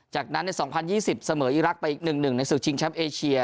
จากนั้นใน๒๐๒๐เสมออีรักษ์ไปอีก๑๑ในศึกชิงแชมป์เอเชีย